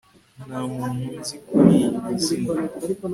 nta muntu nzi kuri iryo zina